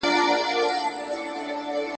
چي لا څومره د اسمان زړه ورته ډک دی !.